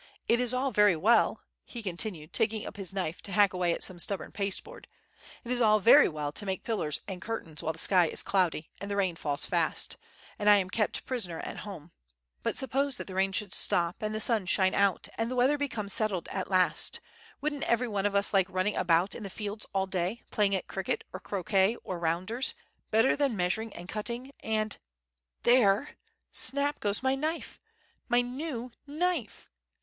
It is all very well," he continued, taking up his knife to hack away at some stubborn pasteboard—"it is all very well to make pillars and curtains while the sky is cloudy, and the rain falls fast, and I am kept prisoner at home; but suppose that the rain should stop, and the sun shine out, and the weather become settled at last, wouldn't every one of us like running about in the fields all day, playing at cricket, or croquet, or rounders, better than measuring and cutting and——there! snap goes my knife, my new knife!"